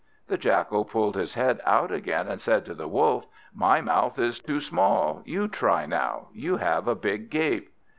The Jackal pulled his head out again, and said to the Wolf "My mouth is too small, you try now you have a big gape."